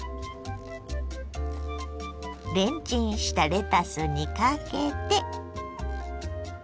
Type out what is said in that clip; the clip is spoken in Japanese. レンチンしたレタスにかけて。